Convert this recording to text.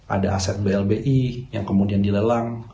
ada aset blbi yang kemudian dilelang